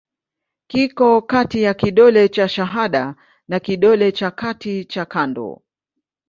Kiko kati ya kidole cha shahada na kidole cha kati cha kando.